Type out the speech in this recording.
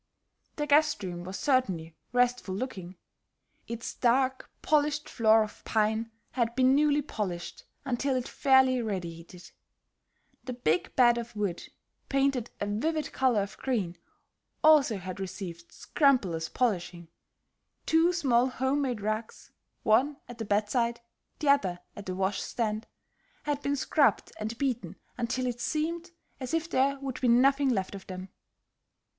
The guest room was certainly restful looking. Its dark polished floor of pine had been newly polished until it fairly radiated; the big bed of wood, painted a vivid color of green, also had received scrupulous polishing; two small home made rugs, one at the bedside, the other at the washstand, had been scrubbed and beaten until it seemed as if there would be nothing left of them.